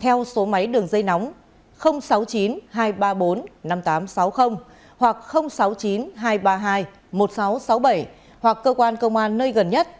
theo số máy đường dây nóng sáu mươi chín hai trăm ba mươi bốn năm nghìn tám trăm sáu mươi hoặc sáu mươi chín hai trăm ba mươi hai một nghìn sáu trăm sáu mươi bảy hoặc cơ quan công an nơi gần nhất